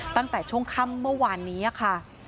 ตั้งแต่ช่วงค่ำเมื่อวานนี้ค่ะ